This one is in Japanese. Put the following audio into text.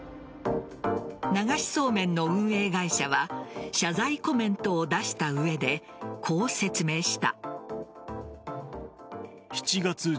流しそうめんの運営会社は謝罪コメントを出した上でこう説明した。